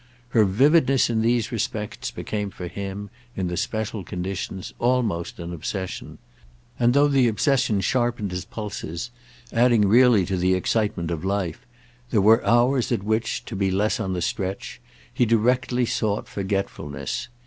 Her vividness in these respects became for him, in the special conditions, almost an obsession; and though the obsession sharpened his pulses, adding really to the excitement of life, there were hours at which, to be less on the stretch, he directly sought forgetfulness.